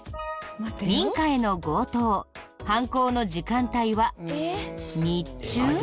民家への強盗犯行の時間帯は日中？